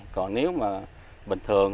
còn nếu mà bình thường